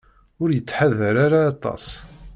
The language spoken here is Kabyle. Ur yettḥadar ara aṭas.